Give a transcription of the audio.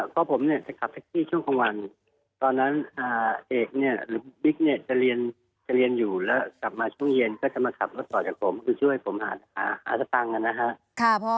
ตอบเต็มชั่วโมงแล้วไม่ลงจากรถเลยปิดไฟเมื่อเปิดแอร์สตาร์ทรถ